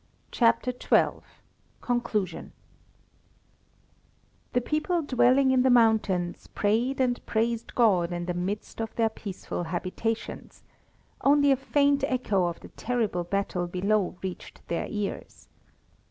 CHAPTER XIII CONCLUSION The people dwelling in the mountains prayed and praised God in the midst of their peaceful habitations; only a faint echo of the terrible battle below reached their ears.